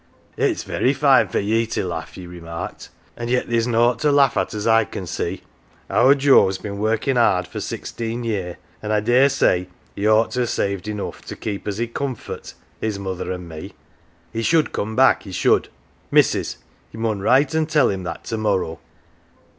" It's very fine for ye to laugh," he remarked, " an' yet theer's nought to laugh at as I can see. Our Joe's been workin' 'ard for sixteen year, an' I say he ought to ha' saved enough to keep us i' comfort his mother an' me. He should come back, he should. Missus, ye mun write and tell him that to morrow."